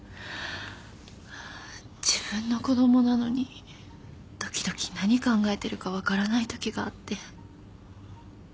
自分の子供なのに時々何考えてるか分からないときがあって。